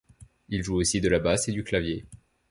Il joue aussi de la basse et du clavier.